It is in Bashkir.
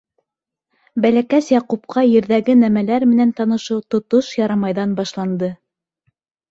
Бәләкәс Яҡупҡа ерҙәге нәмәләр менән танышыу тотош «ярамай»ҙан башланды.